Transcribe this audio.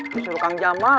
disuruh kang jamal